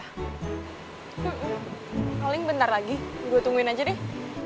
nggak mungkin bentar lagi gue tungguin aja deh